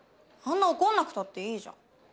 あんな怒らなくたっていいじゃん。